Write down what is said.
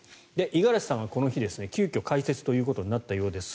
五十嵐さんはこの日急きょ解説ということになったようです。